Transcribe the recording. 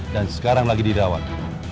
dan sekarang lagi di dawan